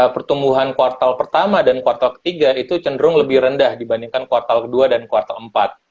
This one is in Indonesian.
pertumbuhan kuartal pertama dan kuartal ketiga itu cenderung lebih rendah dibandingkan kuartal kedua dan kuartal empat